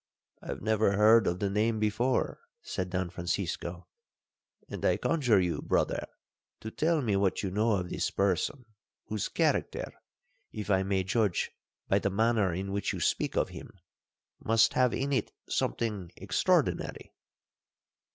'—'I have never heard of the name before,' said Don Francisco; 'and I conjure you, brother, to tell me what you know of this person, whose character, if I may judge by the manner in which you speak of him, must have in it something extraordinary.'